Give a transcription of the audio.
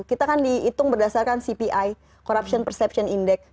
kita kan dihitung berdasarkan cpi corruption perception index